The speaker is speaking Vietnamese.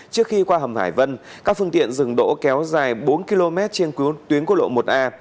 trước khi qua hầm hải vân các phương tiện dừng đỗ kéo dài bốn km trên tuyến quốc lộ một a